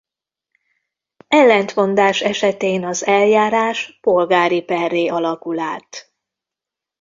Ellentmondás esetén az eljárás polgári perré alakul át.